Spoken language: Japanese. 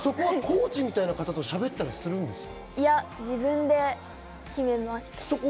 そこはコーチみたいな方と喋ったりするんですか？